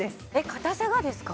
硬さがですか？